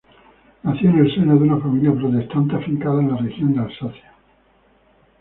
Nació en el seno de una familia protestante, afincada en la región de Alsacia.